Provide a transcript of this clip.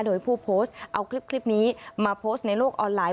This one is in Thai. โดยผู้โพสต์เอาคลิปนี้มาโพสต์ในโลกออนไลน